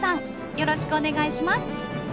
よろしくお願いします！